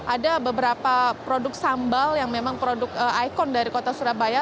ada beberapa produk sambal yang memang produk ikon dari kota surabaya